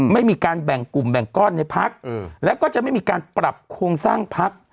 ไม่มีการแบ่งกลุ่มแบ่งก้อนในพักแล้วก็จะไม่มีการปรับโครงสร้างพัก